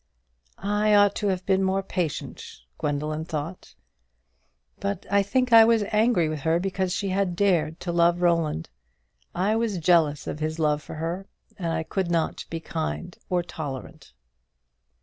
"I ought to have been more patient," Gwendoline thought; "but I think I was angry with her because she had dared to love Roland. I was jealous of his love for her, and I could not be kind or tolerant."